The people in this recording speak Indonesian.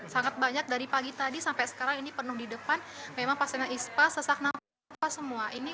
sangat banyak dari pagi tadi sampai sekarang ini penuh di depan memang pasiennya ispa sesak nafas semua